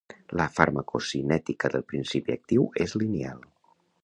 La farmacocinètica del principi actiu és lineal.